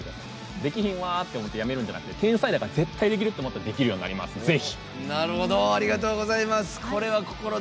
できへんわって諦めるんじゃなくて天才だから絶対できると思ったらできるようになるんでぜひ。